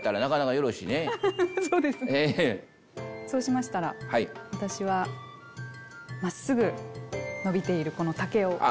そうしましたら私はまっすぐ伸びているこの竹を。